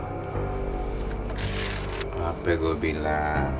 siapa nih kartunya